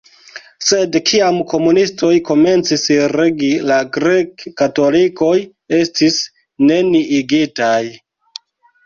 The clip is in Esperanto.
Sed kiam komunistoj komencis regi, la grek-katolikoj estis neniigitaj.